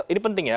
ini penting ya